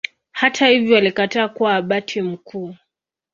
Hata hivyo alikataa kuwa Abati mkuu.